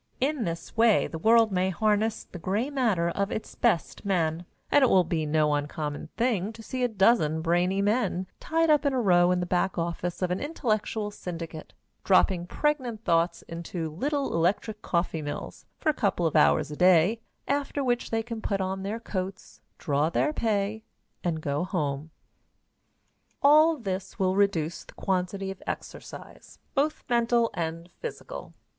In this way the world may harness the gray matter of its best men, and it will be no uncommon thing to see a dozen brainy men tied up in a row in the back office of an intellectual syndicate, dropping pregnant thoughts into little electric coffee mills for a couple of hours a day, after which they can put on their coats, draw their pay, and go home. All this will reduce the quantity of exercise, both mental and physical.